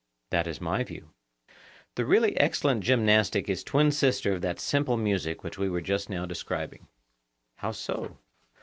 That is my view. The really excellent gymnastic is twin sister of that simple music which we were just now describing. How so?